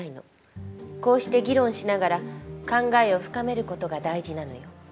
こうして議論しながら考えを深める事が大事なのよ。